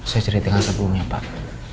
saya cerita sebelumnya pak